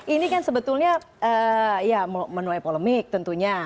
ini kan sebetulnya menulai polemik tentunya